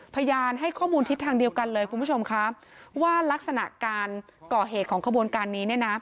พยานให้ข้อมูลทิศทางเดียวกันเลยคุณผู้ชมค่ะว่ารักษณะการก่อเหตุของขบวนการนี้เนี่ยนะ